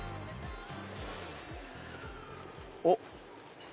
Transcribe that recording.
おっ！